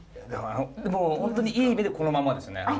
もう本当にいい意味でこのまんまですね。